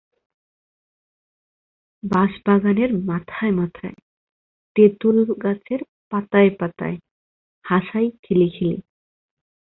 বাঁশবাগানের মাথায় মাথায়তেঁতুলগাছের পাতায় পাতায় হাসায় খিলিখিলি।